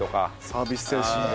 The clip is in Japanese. サービス精神で。